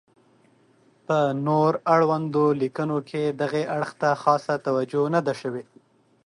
په نور اړوندو لیکنو کې دغې اړخ ته خاصه توجه نه ده شوې.